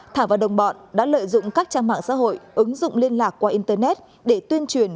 thảo và đồng bọn đã lợi dụng các trang mạng xã hội ứng dụng liên lạc qua internet để tuyên truyền